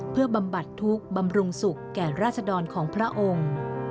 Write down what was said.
เพื่อบำบัดทุกข์บำรุงสุขแก่ราษดรของพระองค์